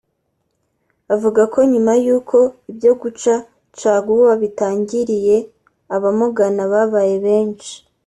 avuga ko nyuma y’uko ibyo guca caguwa bitangiriye abamugana babaye benshi